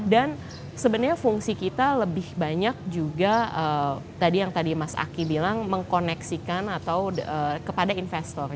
dan sebenarnya fungsi kita lebih banyak juga tadi yang tadi mas aki bilang mengkoneksikan atau kepada investor